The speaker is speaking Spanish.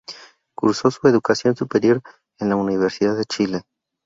Cursó su educación superior en la Universidad de Chile.